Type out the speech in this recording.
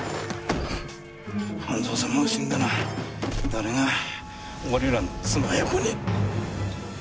半蔵様が死んだら誰が俺らの妻や子に。